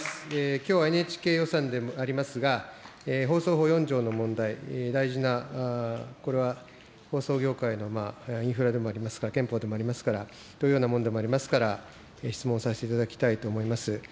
きょうはＮＨＫ予算でありますが、放送法４条の問題、大事な、これは放送業界のインフラでもありますが、憲法でもありますから、というようなものでもありますから、質問させていただきたいと思います。